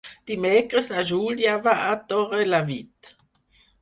Dimecres na Júlia va a Torrelavit.